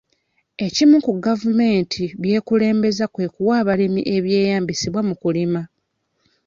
Ekimu ku gavumenti by'ekulembezza kwe kuwa abalimi ebyeyambisibwa mu kulima.